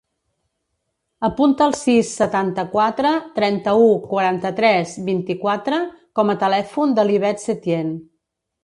Apunta el sis, setanta-quatre, trenta-u, quaranta-tres, vint-i-quatre com a telèfon de l'Ivette Setien.